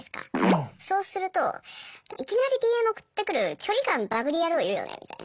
そうすると「いきなりＤＭ送ってくる距離感バグり野郎いるよね」みたいな。